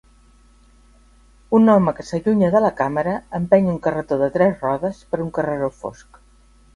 Un home que s'allunya de la càmera empeny un carretó de tres rodes per un carreró fosc.